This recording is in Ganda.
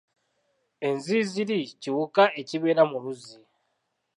Enziiziiri kiwuka ekibeera mu luzzi.